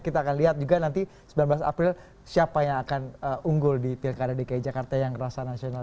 kita akan lihat juga nanti sembilan belas april siapa yang akan unggul di pilkada dki jakarta yang rasa nasional